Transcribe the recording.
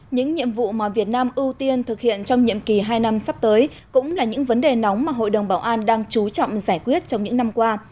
những nhiệm vụ mà việt nam ưu tiên thực hiện trong nhiệm kỳ hai năm sắp tới cũng là những vấn đề nóng mà hội đồng bảo an đang chú trọng giải quyết trong những năm qua